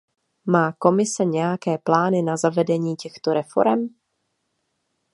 Má Komise nějaké plány na zavedení těchto reforem?